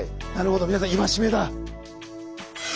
なるほど皆さん戒めだ。